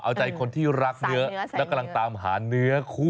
เอาใจคนที่รักเนื้อแล้วกำลังตามหาเนื้อคู่